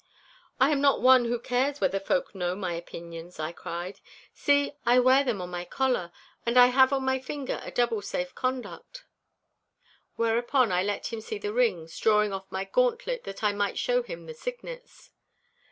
'I am not one who cares whether folk know my opinions,' I cried. 'See, I wear them on my collar. And I have on my finger a double safe conduct.' Whereupon I let him see the rings, drawing off my gauntlet that I might show him the signets.